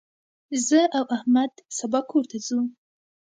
زه او احمد سبا کور ته ځو.